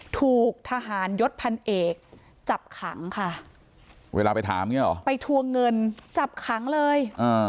ถูกทหารยศพันเอกจับขังค่ะเวลาไปถามอย่างนี้หรอไปทวงเงินจับขังเลย